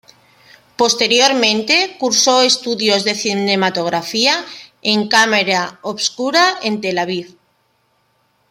Posteriormente cursó estudios de Cinematografía en Camera Obscura en Tel Aviv.